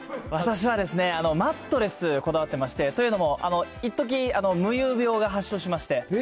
私はマットレスこだわってまして、というのも、いっとき、夢遊病が発症しまして。